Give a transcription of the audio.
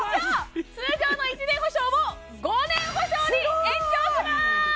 通常の１年保証を５年保証に延長します！